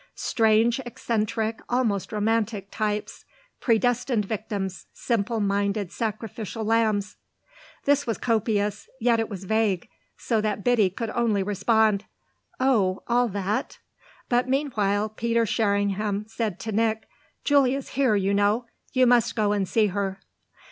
"Strange eccentric, almost romantic, types. Predestined victims, simple minded sacrificial lambs!" This was copious, yet it was vague, so that Biddy could only respond: "Oh all that?" But meanwhile Peter Sherringham said to Nick: "Julia's here, you know. You must go and see her."